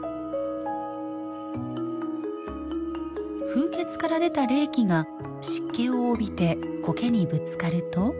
風穴から出た冷気が湿気を帯びてコケにぶつかると。